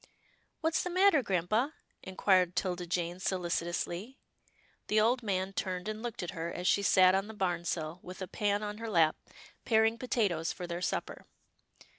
"What's the matter, grampa?" inquired 'Tilda Jane solicitously. The old man turned and looked at her, as she sat on the barn sill, with a pan on her lap, paring potatoes for their supper.